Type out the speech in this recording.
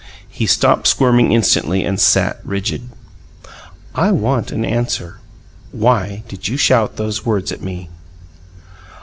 He stopped squirming instantly, and sat rigid. "I want an answer. Why did you shout those words at me?"